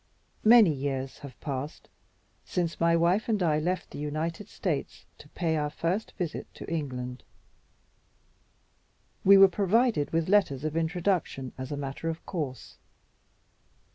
MANY years have passed since my wife and I left the United States to pay our first visit to England. We were provided with letters of introduction, as a matter of course.